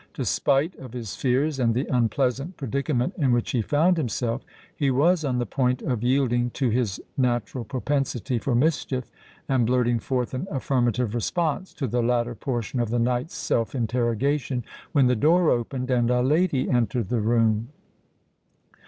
Despite of his fears and the unpleasant predicament in which he found himself, he was on the point of yielding to his natural propensity for mischief and blurting forth an affirmative response to the latter portion of the knight's self interrogation, when the door opened and a lady entered the room.